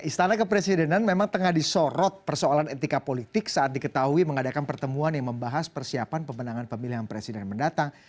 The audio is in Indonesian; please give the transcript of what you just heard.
istana kepresidenan memang tengah disorot persoalan etika politik saat diketahui mengadakan pertemuan yang membahas persiapan pemenangan pemilihan presiden mendatang